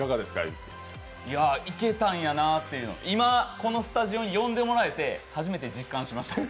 いや、いけたんやなということを今、このスタジオに呼んでいただいて、初めて実感しました。